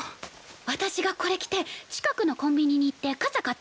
私がこれ着て近くのコンビニに行って傘買ってくるから。